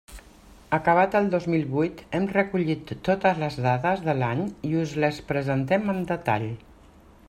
Acabat el dos mil vuit hem recollit totes les dades de l'any i us les presentem amb detall.